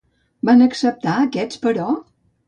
Van acceptar aquests, però?